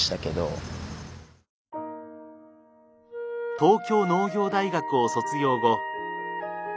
東京農業大学を卒業後。